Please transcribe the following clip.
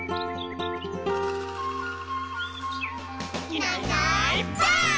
「いないいないばあっ！」